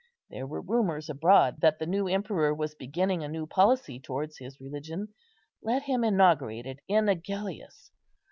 There were rumours abroad that the new emperor was beginning a new policy towards his religion; let him inaugurate it in Agellius.